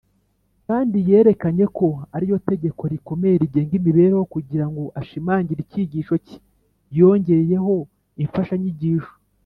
kandi yerekanye ko ari yo tegeko rikomeye rigenga imibereho kugira ngo ashimangire icyigisho cye, yongeyeho imfashanyigisho